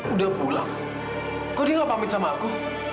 udah pulang kok dia gak pamit sama aku